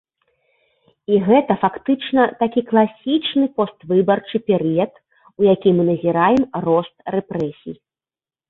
І гэта фактычна такі класічны поствыбарчы перыяд, у які мы назіраем рост рэпрэсій.